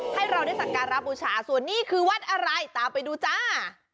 ให้เราได้สักการะบูชาส่วนนี้คือวัดอะไรตามไปดูจ้า